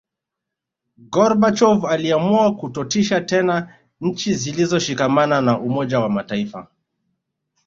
Gorbachov aliamua kutotisha tena nchi zilizoshikamana na Umoja wa mataifa